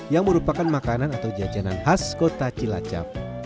yang merupakan makanan atau jajanan khas kota cilacap